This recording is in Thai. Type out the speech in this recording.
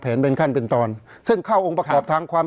เพราะฉะนั้นประชาธิปไตยเนี่ยคือการยอมรับความเห็นที่แตกต่าง